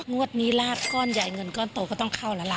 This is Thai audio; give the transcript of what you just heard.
งวดนี้ลาบก้อนใหญ่เงินก้อนโตก็ต้องเข้าแล้วล่ะ